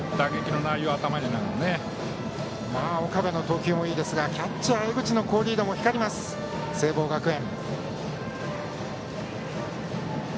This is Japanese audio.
岡部の投球もいいですがキャッチャーの江口の好リードが光る聖望学園。